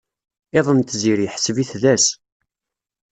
Iḍ n tziri, ḥseb-it d ass.